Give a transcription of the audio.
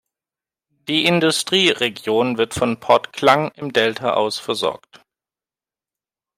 Die Industrieregion wird von Port Klang im Delta aus versorgt.